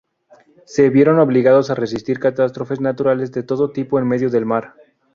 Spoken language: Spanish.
Se vieron obligados a resistir catástrofes naturales de todo tipo en medio del mar.